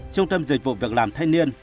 trung tâm dịch vụ việc làm thanh niên